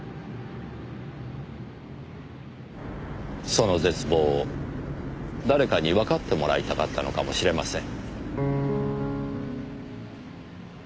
その絶望を誰かにわかってもらいたかったのかもしれません。